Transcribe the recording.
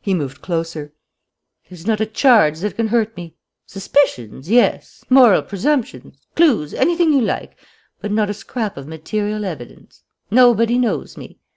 He moved closer. "There's not a charge that can hurt me. Suspicions, yes, moral presumptions, clues, anything you like, but not a scrap of material evidence. Nobody knows me.